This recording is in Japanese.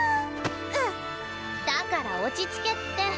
だから落ち着けって。